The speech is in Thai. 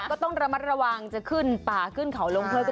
ก็ต้องระมัดระวังจะขึ้นป่าขึ้นเขาลงเพิ่ม